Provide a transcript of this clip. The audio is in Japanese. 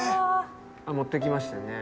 持ってきましたね。